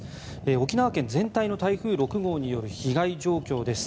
沖縄県全体の台風６号による被害状況です。